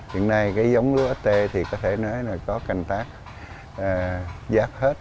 hiện nay giống lúa sc có thể nói là có cành tác giáp hết